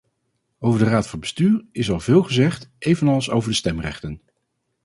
Over de raad van bestuur is al veel gezegd, evenals over de stemrechten.